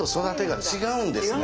違うんですね。